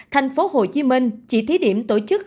tp hcm chỉ thí điểm tổ chức